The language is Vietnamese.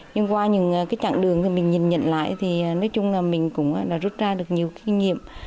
nhưng qua những cái chặng đường mà mình nhìn nhận lại thì nói chung là mình cũng đã rút ra được nhiều kinh nghiệm